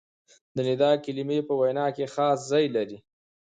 د ندا کلیمې په وینا کښي خاص ځای لري.